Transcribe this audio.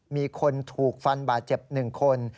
มีคนถูกฟันบาดเจ็บ๑คน